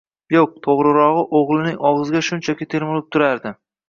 Yo`q, to`g`rirog`i, o`g`lining og`ziga shunchaki termulib turardi